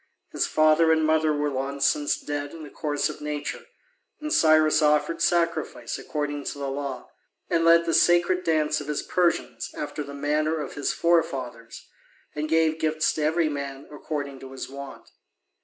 His father and mother were long since dead in the course of nature, and Cyrus offered sacrifice according to the law, and led the sacred dance of his Persians after the manner of his forefathers, and gave gifts to every man according to his wont.